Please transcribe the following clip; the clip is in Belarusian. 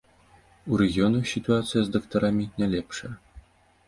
У рэгіёнах сітуацыя з дактарамі не лепшая.